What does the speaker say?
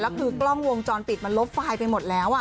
แล้วคือกล้องวงจรปิดมันลบไฟล์ไปหมดแล้ว